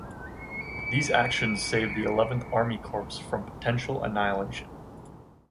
These actions saved the Eleventh Army Corps from potential annihilation.